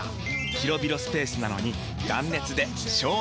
広々スペースなのに断熱で省エネ！